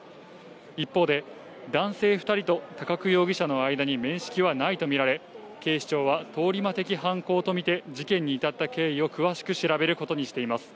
一方で、男性２人と高久容疑者の間に面識はないと見られ、警視庁は通り魔的犯行と見て、事件に至った経緯を詳しく調べることにしています。